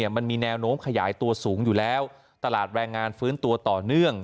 มันมีแนวโน้มขยายตัวสูงอยู่แล้วตลาดแรงงานฟื้นตัวต่อเนื่อง